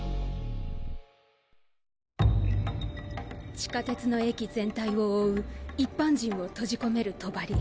地下鉄の駅全体を覆う一般人を閉じ込める帳。